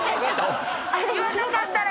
言わなかったら。